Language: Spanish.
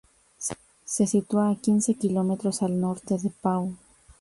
Se sitúa a quince kilómetros al norte de Pau.